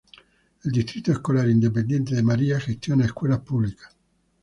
El Distrito Escolar Independiente de Marfa gestiona escuelas públicas.